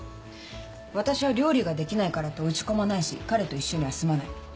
私は料理ができないからって落ち込まないし彼と一緒には住まない。